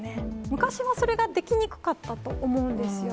昔はそれができにくかったと思うんですよ。